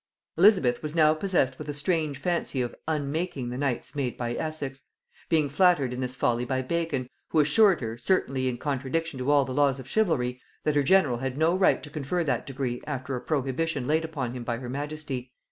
Elizabeth was now possessed with a strange fancy of unmaking the knights made by Essex; being flattered in this folly by Bacon, who assured her, certainly in contradiction to all the laws of chivalry, that her general had no right to confer that degree after a prohibition laid upon him by her majesty.